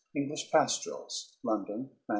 English Pastorals, London, 1906.